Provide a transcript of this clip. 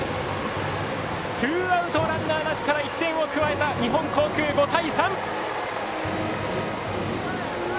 ツーアウト、ランナーなしから１点を加えた日本航空、５対３！